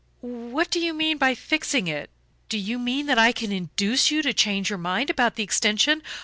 "What do you mean by fixing it? Do you mean that I can induce you to change your mind about the extension?